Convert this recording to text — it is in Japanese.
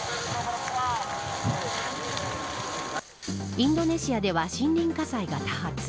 インドネシアでは森林火災が多発。